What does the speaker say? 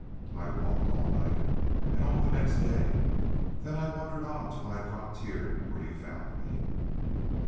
I walked all night, and all the next day. Then I wandered on till I dropped here where you found me."